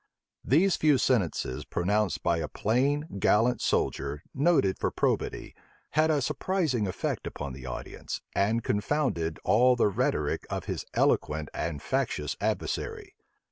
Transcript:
These few sentences pronounced by a plain, gallant soldier, noted for probity, had a surprising effect upon the audience, and confounded all the rhetoric of his eloquent and factious adversary.